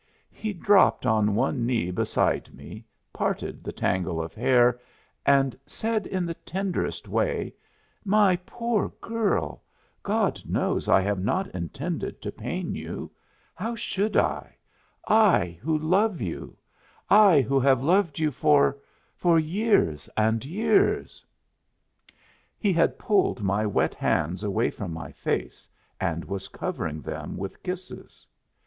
He dropped on one knee beside me, parted the tangle of hair and said in the tenderest way: "My poor girl, God knows I have not intended to pain you. How should I? I who love you I who have loved you for for years and years!" He had pulled my wet hands away from my face and was covering them with kisses.